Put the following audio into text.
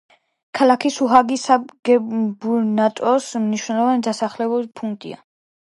ქალაქი სუჰაგის საგუბერნატოროს მნიშვნელოვანი დასახლებული პუნქტია.